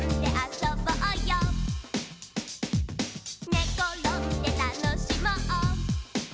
「ねころんでたのしもう」